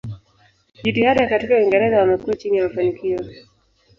Jitihada katika Uingereza wamekuwa chini ya mafanikio.